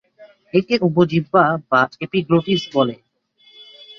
একে উপজিহ্বা বা এপিগ্লটিস বলে।